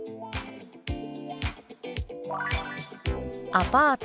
「アパート」。